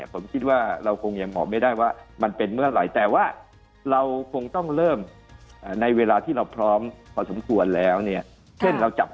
ผมคิดว่าเราก็ยังหมอบไม่ได้ว่ามันเป็นเมื่อไหร่